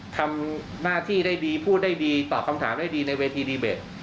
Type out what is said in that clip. ทำหน้าที่ได้ดีพูดได้ดีตอบคำถามได้ดีในเวทีดีเบต